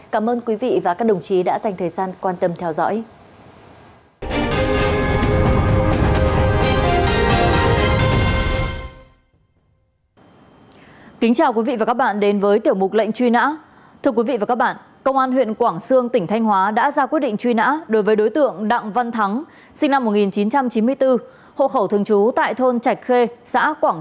công an huyện quảng sương tỉnh thanh hóa đã ra quyết định truy nã đối với đối tượng đặng văn thắng sinh năm hai nghìn bốn hộ khẩu thường trú tại thôn trạch khê xã quảng sương